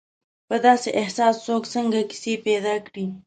په داسې احساس څوک څنګه کیسې پیدا کړي.